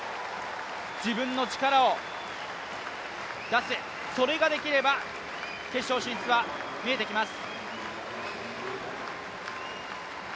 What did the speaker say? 自分の力を出す、それができれば決勝進出は見えてきます。